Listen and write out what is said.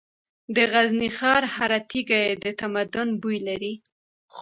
د غزني ښار هره تیږه د تمدن بوی لري.